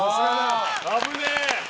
危ねえ。